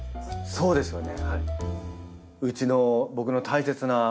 そうですね。